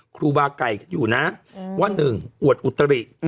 ครูบาล์ไก่อยู่นะว่า๑อวดอุตรรี่